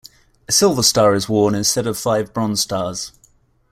A silver star is worn instead of five bronze stars.